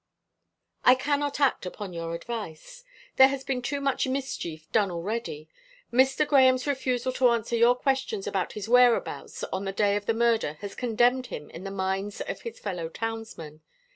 "I cannot act upon your advice. There has been too much mischief done already. Mr. Grahame's refusal to answer your questions about his whereabouts on the day of the murder has condemned him in the minds of his fellow townsmen.